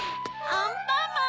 アンパンマン！